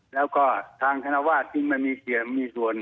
แล้วก็ทางธนวาสยังไม่มีเกี่ยวมันไม่มีส่วน